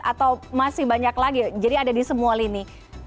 atau masih banyak lagi jadi ada di semua lini